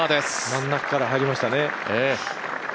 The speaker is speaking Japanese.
真ん中から入りましたね。